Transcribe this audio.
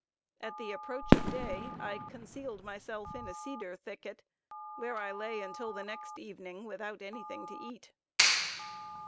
At the approach of day I concealed myself in a cedar thicket, where I lay until the next evening, without any thing to eat.